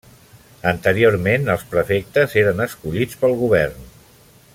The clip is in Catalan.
Anteriorment els prefectes eren escollits pel govern.